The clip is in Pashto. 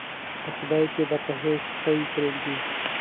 په خدای چې درته هېڅ شی پرېږدي.